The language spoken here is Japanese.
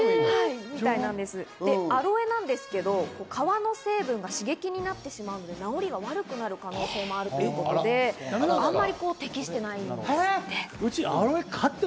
で、アロエなんですけど、皮の成分が刺激になってしまって、治りが悪くなる可能性があるということで、あまり適していないんですって。